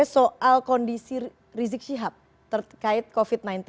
soal kondisi rizik syihab terkait covid sembilan belas